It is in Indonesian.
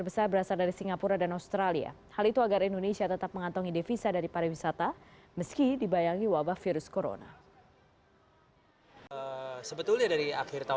pemerintah juga menghentikan promosi wisata